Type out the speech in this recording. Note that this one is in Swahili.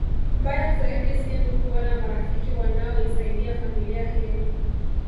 Mbaya zaidi si ndugu wala marafiki wanaoisaidia familia hii